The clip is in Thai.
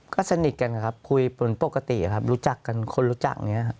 ก็สนิทกันครับคุยเป็นปกติครับรู้จักกันคนรู้จักอย่างนี้ครับ